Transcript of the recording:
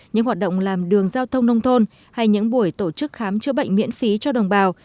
những hoạt động làm đường giao thông nông thôn hay những buổi tổ chức khám chữa bệnh miễn phí cho đồng bào